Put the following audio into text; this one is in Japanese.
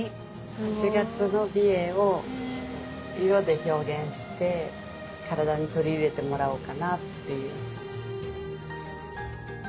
８月の美瑛を色で表現して体に取り入れてもらおうかなっていう。